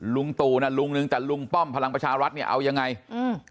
ลุงตู่น่ะลุงหนึ่งแต่ลุงป้อมพลังประชารัฐเนี่ยเอายังไงอืม